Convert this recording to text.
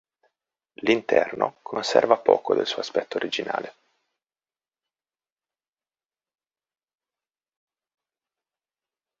L'interno conserva poco del suo aspetto originale.